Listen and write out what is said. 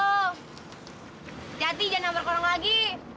hati hati jangan berkorong lagi